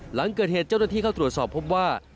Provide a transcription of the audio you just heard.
หลังเกิดเหตุเจ้าหน้าที่เข้าตรวจสอบพบว่า